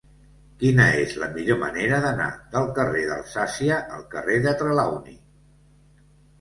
Quina és la millor manera d'anar del carrer d'Alsàcia al carrer de Trelawny?